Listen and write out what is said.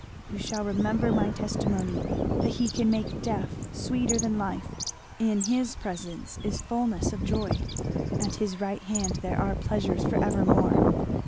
You shall remember my testimony, that he can make death sweeter than life in his presence is fulness of joy at his right hand there are pleasures for evermore.